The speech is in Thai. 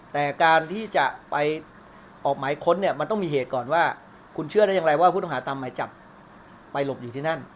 แต่การที่จะไปออกหมายค้นเนี่ยมันต้องมีเหตุก่อนว่าคุณเชื่อได้อย่างไรว่าผู้ต้องหาตามหมายจับไปหลบอยู่ที่นั่น